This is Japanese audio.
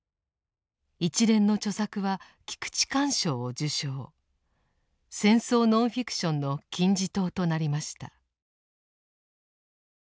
一連の著作は菊池寛賞を受賞戦争ノンフィクションの金字塔となりました。